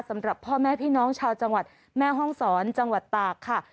สำหรับพ่อแม่พี่น้องชาวจังหวัดแม่ห้องศรจังหวัดตากค่ะ